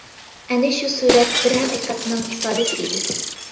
ئەنە شۇ سۈرەت بىر ھەقىقەتنىڭ ئىپادىسى ئىدى.